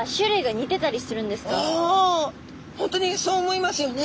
本当にそう思いますよね。